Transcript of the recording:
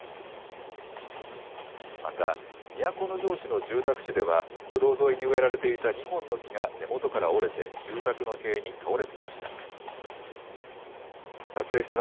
また、都城市の住宅地では、歩道沿いに植えられていた２本の木が根元から折れて、住宅の塀に倒れていました。